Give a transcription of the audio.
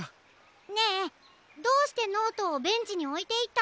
ねえどうしてノートをベンチにおいていったの？